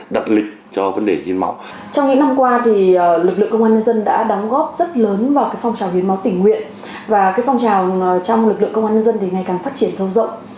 và phong trào trong lực lượng công an nhân dân ngày càng phát triển sâu rộng